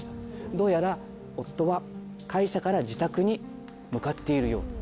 どうやら夫は会社から自宅に向かっているようだ。